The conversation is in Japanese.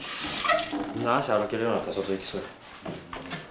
足歩けるようになったら外行きそうやん。